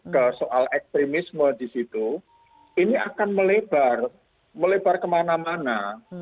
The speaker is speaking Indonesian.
ke soal ekstremisme di situ ini akan melebar melebar kemana mana